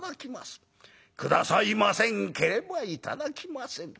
下さいませんければ頂きません。